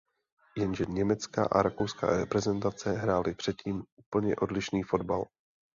Jenže německá a rakouská reprezentace hrály předtím úplně odlišný fotbal.